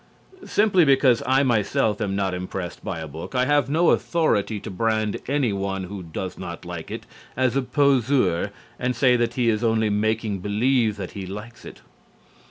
Simply because I myself am not impressed by a book, I have no authority to brand anyone who does not like it as a poseur and say that he is only making believe that he likes it.